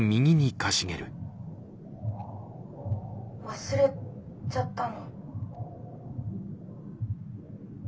「忘れちゃったの？」。